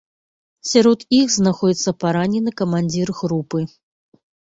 Сярод іх знаходзіцца паранены камандзір групы.